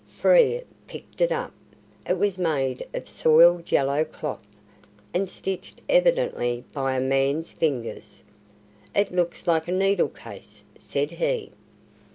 Frere picked it up. It was made of soiled yellow cloth, and stitched evidently by a man's fingers. "It looks like a needle case," said he.